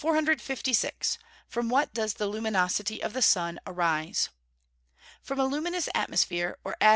From what does the luminosity of the sun arise? From a luminous atmosphere, or, as M.